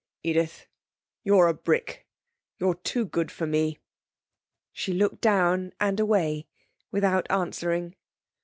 'Edith, you're a brick. You're too good for me.' She looked down and away without answering.